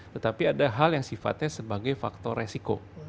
tetapi ada hal yang sifatnya sebagai faktor resiko